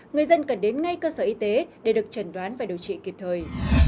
người dân cần đến ngay cơ sở y tế để được trần đoán và điều trị kịp thời